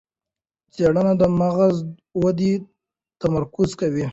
څېړنه د مغز ودې تمرکز کوي.